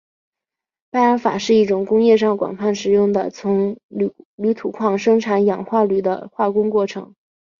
拜耳法是一种工业上广泛使用的从铝土矿生产氧化铝的化工过程。